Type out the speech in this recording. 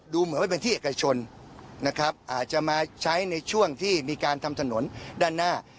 ดูเหมือนว่าเป็นที่เอกชนนะครับอาจจะมาใช้ในช่วงที่มีการทำถนนด้านหน้า